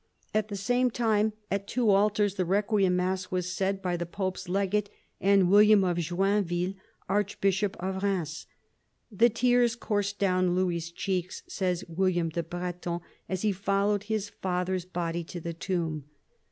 At the same time at two altars the requiem mass was said by the pope's legate and William of Joinville, archbishop of Eheims. The tears coursed down Louis's cheeks, says William the Breton, as he followed his father's body to the tomb.